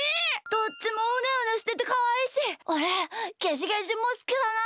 どっちもうねうねしててかわいいしおれゲジゲジもすきだな。